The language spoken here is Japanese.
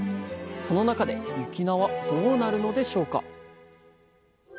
その中で雪菜はどうなるのでしょうか？